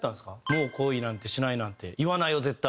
「もう恋なんてしないなんて言わないよ絶対」